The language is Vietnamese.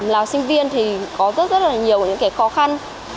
là sinh viên thì có rất rất là nhiều những cái khó khăn